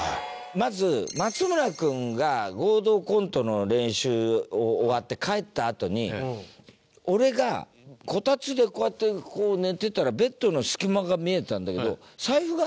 まず松村君が合同コントの練習終わって帰ったあとに俺がこたつでこうやってこう寝てたらベッドの隙間が見えたんだけど財布があったんだよ。